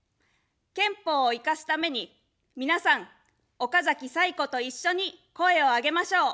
憲法を活かすために、皆さん、おかざき彩子と一緒に声を上げましょう。